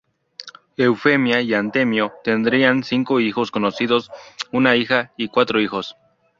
Eufemia y Antemio tendrían cinco hijos conocidos, una hija y cuatro hijos.